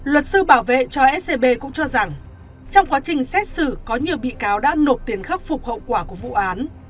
luật sư bảo vệ cho scb cũng cho rằng trong quá trình xét xử có nhiều bị cáo đã nộp tiền khắc phục hậu quả của vụ án